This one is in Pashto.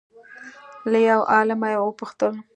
له یو عالمه یې وپوښتل